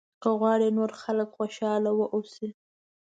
که غواړې نور خلک خوشاله واوسي.